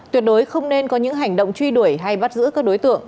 tuyệt đối không nên có những hành động truy đuổi hay bắt giữ các đối tượng